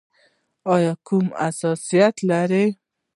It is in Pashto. ایا کوم حساسیت لرئ؟